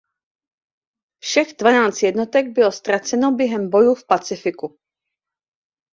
Všech dvanáct jednotek bylo ztraceno během bojů v Pacifiku.